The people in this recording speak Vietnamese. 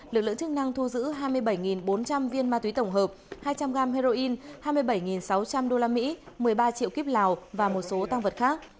lực lượng chức năng thu giữ hai mươi bảy bốn trăm linh viên ma túy tổng hợp hai trăm linh g heroin hai mươi bảy sáu trăm linh usd một mươi ba triệu kíp lào và một số tăng vật khác